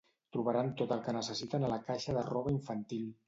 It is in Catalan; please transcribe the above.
Trobaran tot el que necessiten a la caixa de roba infantil.